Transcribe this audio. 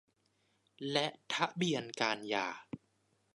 และทะเบียนการหย่า